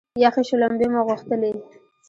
یخې شلومبې مو غوښتلې.